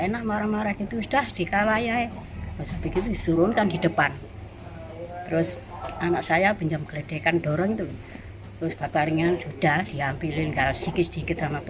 nanti bikin masalah pak pak